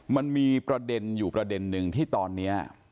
มันมีประเด็นอยู่ประเด็นหนึ่งที่ตอนนี้